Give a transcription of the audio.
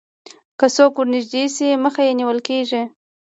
که څوک ورنژدې شي مخه یې نیول کېږي